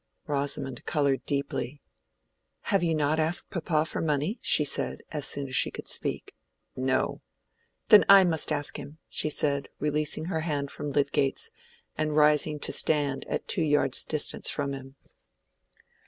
Rosamond colored deeply. "Have you not asked papa for money?" she said, as soon as she could speak. "No." "Then I must ask him!" she said, releasing her hands from Lydgate's, and rising to stand at two yards' distance from him.